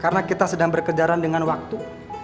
karena kita sedang berkejaran dengan waktu